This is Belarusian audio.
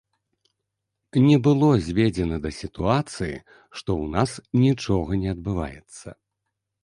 Не было зведзена да сітуацыі, што ў нас нічога не адбываецца.